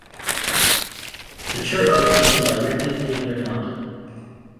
The church was listed by Ripley's Believe It or Not!